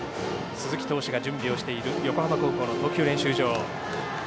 鈴木投手が準備をしている横浜高校の投球練習場。